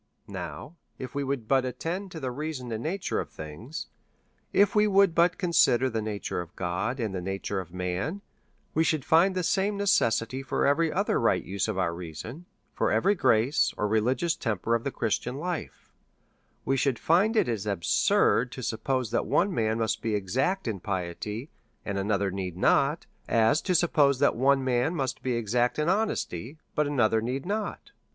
Now, if we would but attend to the reason and nature of things ; if we would but consider the nature of God and the nature of man, we should find the same necessity for every other right use of our reason, for every grace or religious temper of the Christian life ; we should find it as ab surd to suppose that one man must be exact in piety, and another need not, as to suppose that one man must be exact in honesty, but another need not.